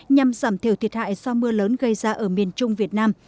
nhằm giảm thiểu thiệt hại do mưa lớn gây ra ở miền trung việt nam